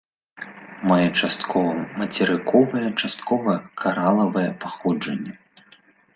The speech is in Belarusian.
Мае часткова мацерыковае, часткова каралавае паходжанне.